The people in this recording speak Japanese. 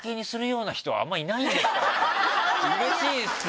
うれしいっすよ！